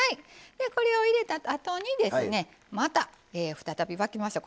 でこれを入れたあとにですねまた再び沸きました。